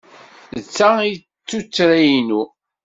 D ta ay d tuttra-inu.